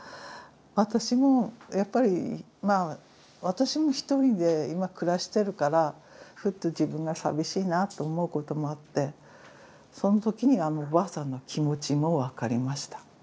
私も一人で今暮らしてるからふっと自分が寂しいなと思うこともあってその時にあのおばあさんの気持ちも分かりました。